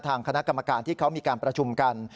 ทางคณะกรรมการที่เขามีการประชุมกัน